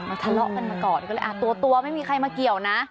ทะเลาะกันมาก่อนก็เลยอ่ะตัวไม่มีใครมาเกี่ยวนะ